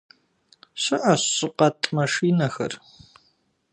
Щыӏэщ щӏыкъэтӏ машинэхэр.